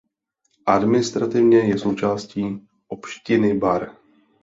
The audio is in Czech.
Administrativně je součástí opštiny Bar.